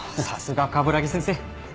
さすが鏑木先生。